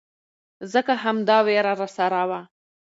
ځکه همدا ويره راسره وه.